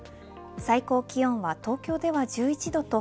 最高気温は東京では１１度と